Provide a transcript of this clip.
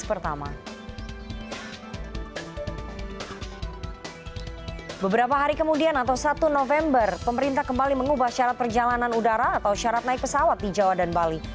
pemerintah kembali mengubah syarat perjalanan udara atau syarat naik pesawat di jawa dan bali